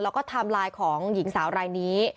แล้วก็ไทม์ไลน์ของหญิงสาวรายนี้